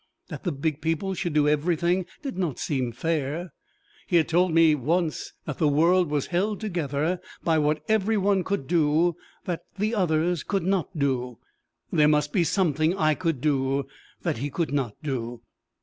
That the big people should do everything, did not seem fair! He had told me once that the world was held together by what every one could do that the others could not do: there must be something I could do that he could not do!